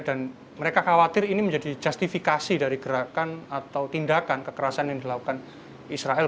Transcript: dan mereka khawatir ini menjadi justifikasi dari gerakan atau tindakan kekerasan yang dilakukan israel